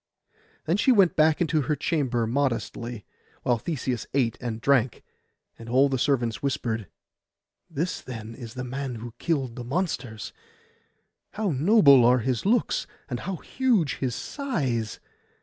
Then she went back into her chamber modestly, while Theseus ate and drank; and all the servants whispered, 'This, then, is the man who killed the monsters! How noble are his looks, and how huge his size!